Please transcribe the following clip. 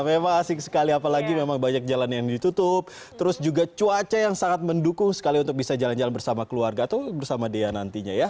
memang asik sekali apalagi memang banyak jalan yang ditutup terus juga cuaca yang sangat mendukung sekali untuk bisa jalan jalan bersama keluarga atau bersama dia nantinya ya